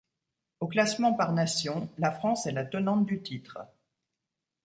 Au classement par nations, la France est la tenante du titre.